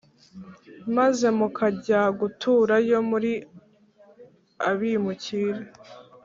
Maze mukajya guturayo muri abimukira